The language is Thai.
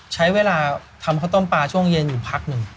ใช้เวลาทำข้าวต้มปลาช่วงเย็นอยู่พักหนึ่ง